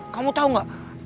kamu tau gak